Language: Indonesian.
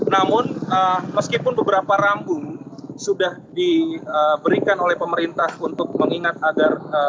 namun meskipun beberapa rambu sudah diberikan oleh pemerintah untuk mengingat agar